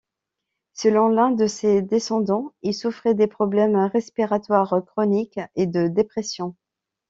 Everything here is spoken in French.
Selon l'un de ses descendants, il souffrait de problèmes respiratoires chroniques et de dépression.